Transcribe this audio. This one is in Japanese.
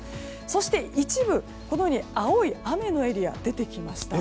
そして一部、雨の青いエリアが出てきました。